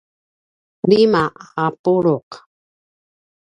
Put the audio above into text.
lima a pulu’